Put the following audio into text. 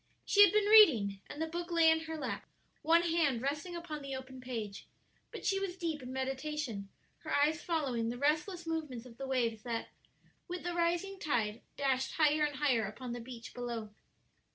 She had been reading, and the book lay in her lap, one hand resting upon the open page; but she was deep in meditation, her eyes following the restless movements of the waves that, with the rising tide, dashed higher and higher upon the beach below.